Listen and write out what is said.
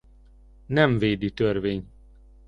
Nem védi törvény.